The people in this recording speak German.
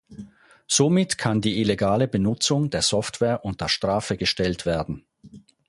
Somit kann die illegale Benutzung der Software unter Strafe gestellt werden.